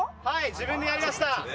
自分でやりました。